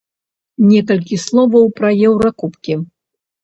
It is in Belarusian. Некалькі словаў пра еўракубкі.